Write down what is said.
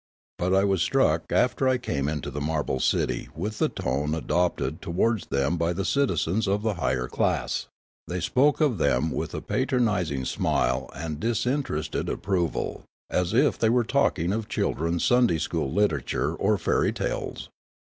But I was struck after I came into the marble city with the tone adopted towards them bs' the citizens of the higher class; they spoke of them with a patronis ing smile and disinterested approval, as if they were talking of children's Sunday school literature or fairy tales.